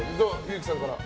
憂樹さんからは。